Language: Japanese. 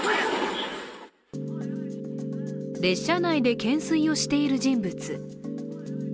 列車内で懸垂をしている人物。